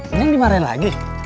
ini yang dimarahin lagi